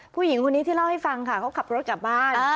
ผู้หญิงคนนี้ที่เล่าให้ฟังค่ะเขาขับรถกลับบ้าน